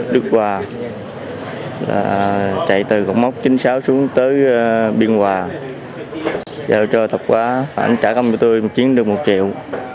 được qua chạy từ cổng mốc chín mươi sáu xuống tới biên hòa giao cho tạp hóa hẳn trả cơm cho tôi một chiếc đường một triệu